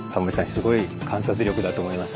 すごい観察力だと思います。